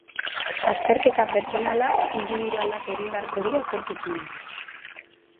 Azterketa pertsonalak indibidualak egin beharko dira etorkizunean.